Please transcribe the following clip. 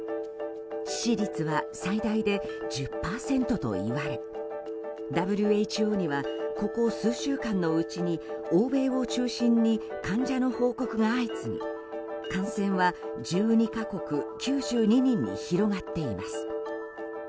致死率は最大で１０％といわれＷＨＯには、ここ数週間のうちに欧米を中心に患者の報告が相次ぎ感染は１２か国９２人に広がっています。